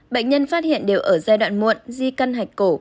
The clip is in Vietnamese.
bệnh nhân phát hiện đều ở giai đoạn muộn di căn hạch cổ